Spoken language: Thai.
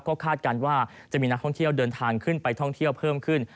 ก็คาดการณ์ว่าจะมีนักท่องเที่ยวเดินทางขึ้นไปท่องเที่ยวเพิ่มขึ้น